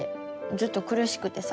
ずっとくるしくてさ。